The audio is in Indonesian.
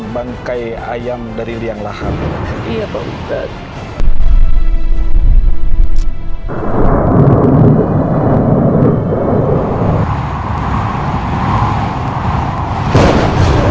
bangkai ayam dari liang lahan iya pak ustadz